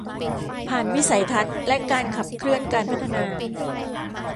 ผ่านวิสัยทัศน์และการขับเคลื่อนการพัฒนา